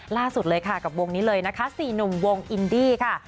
ล่าสุดเลยค่ะกับวงนี้เลยนะคะ๔หนุ่มวงอินดี้ค่ะ